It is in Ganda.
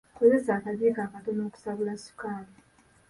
Kozesa akajjiiko akatono okutabula ssukaali.